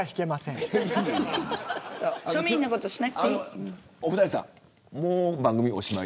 庶民のこと、しなくていい。